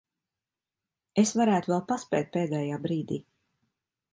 Es varētu vēl paspēt pēdējā brīdī.